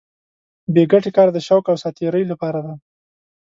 بې ګټې کار د شوق او ساتېرۍ لپاره دی.